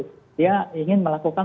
dia ingin melakukan